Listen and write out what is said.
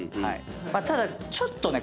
ただちょっとね